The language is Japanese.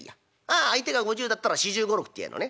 「あ相手が５０だったら４５４６って言うのね？